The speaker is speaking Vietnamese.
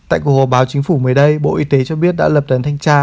tại cuộc hồ báo chính phủ mới đây bộ y tế cho biết đã lập đấn thanh tra